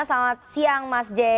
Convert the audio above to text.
selamat siang mas jay